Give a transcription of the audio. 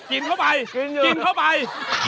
กินเข้าไป